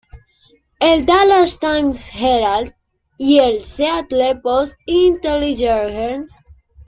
El "Dallas Times-Herald" y el "Seattle Post-Intelligencer".